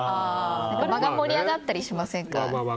場が盛り上がったりしませんか。